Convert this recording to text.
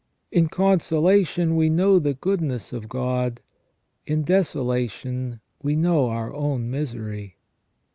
In consolation we know the goodness of God; in desolation we know our own misery.